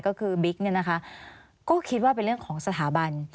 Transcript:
ก็คือบิ๊กเนี่ยนะคะก็คิดว่าเป็นเรื่องของสถาบัน